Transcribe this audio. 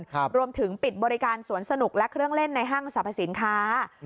ทั้งสรรพสินค้า